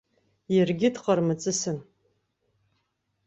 Иаргьы дҟармаҵысын.